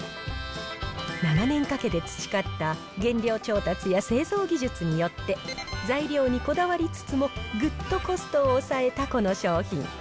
長年かけて培った製造技術によって、材料にこだわりつつも、ぐっとコストを抑えたこの商品。